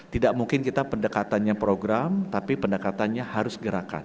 tidak mungkin kita pendekatannya program tapi pendekatannya harus gerakan